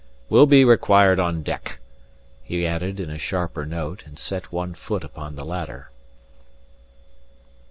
We'll be required on deck," he added, in a sharper note, and set one foot upon the ladder.